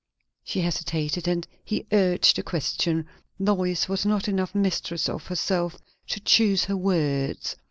She hesitated, and he urged the question. Lois was not enough mistress of herself to choose her words.